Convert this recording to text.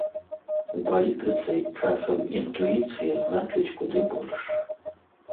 У палітыцы часам інтуіцыя значыць куды больш.